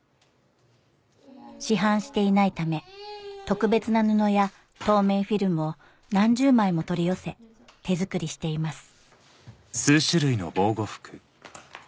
市販していないため特別な布や透明フィルムを何十枚も取り寄せ手作りしています